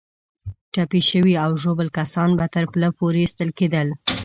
ټپي شوي او ژوبل کسان به تر پله پورې ایستل کېدل.